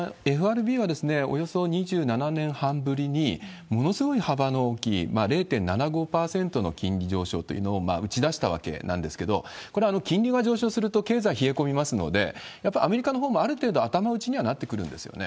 このＦＲＢは、およそ２７年半ぶりに、ものすごい幅の大きい、０．７５％の金利上昇というのを打ち出したわけなんですけど、これ、金利が上昇すると経済、冷え込みますので、やっぱりアメリカのほうもある程度頭打ちにはなってくるんですよ